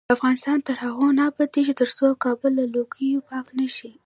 افغانستان تر هغو نه ابادیږي، ترڅو کابل له لوګیو پاک نشي.